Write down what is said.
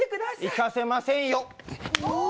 行かせませんよ